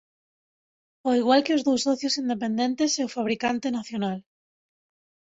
Ó igual que os dous socios independentes e o fabricante nacional.